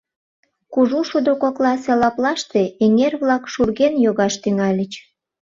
Кужу шудо кокласе лаплаште эҥер-влак шурген йогаш тӱҥальыч.